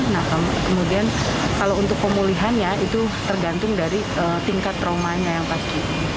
nah kemudian kalau untuk pemulihannya itu tergantung dari tingkat traumanya yang pasti